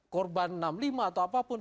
korban enam puluh lima atau apapun